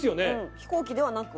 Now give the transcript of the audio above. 飛行機ではなく？